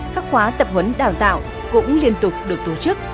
các khóa tập huấn đào tạo cũng liên tục được tổ chức